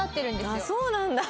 ああそうなんだ。